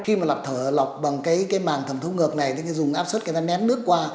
khi mà lọc thở lọc bằng cái màng thẩm thu ngược này thì dùng áp suất người ta nén nước qua